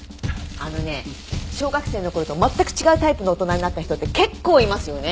あのね小学生の頃と全く違うタイプの大人になった人って結構いますよね。